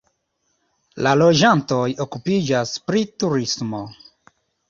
La loĝantoj okupiĝas pri turismo.